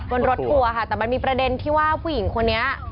บนรถทัวร์ค่ะแต่มันมีประเด็นที่ว่าผู้หญิงคนนี้